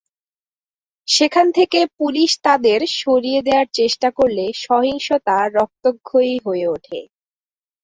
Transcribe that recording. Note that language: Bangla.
সেখান থেকে পুলিশ তাঁদের সরিয়ে দেওয়ার চেষ্টা করলে সহিংসতা রক্তক্ষয়ী হয়ে ওঠে।